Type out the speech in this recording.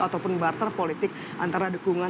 ataupun barter politik antara dukungan